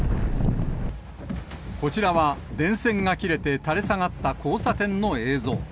こちらは、電線が切れて垂れ下がった交差点の映像。